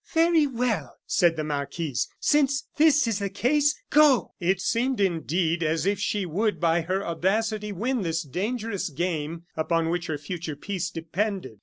"Very well!" said the marquise; "since this is the case go!" It seemed, indeed, as if she would, by her audacity, win this dangerous game upon which her future peace depended.